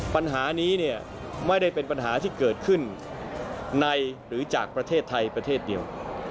ปัญหานี้เนี่ยไม่ได้เป็นปัญหาที่เกิดขึ้นในหรือจากประเทศไทยประเทศเดียว